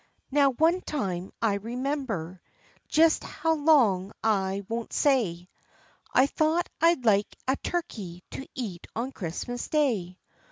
Now, one time I remember jes how long I won't say I thought I'd like a turkey to eat on Chris'mus day.